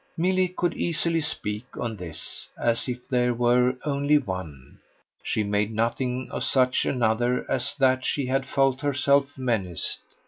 Milly could easily speak, on this, as if there were only one: she made nothing of such another as that she had felt herself menaced.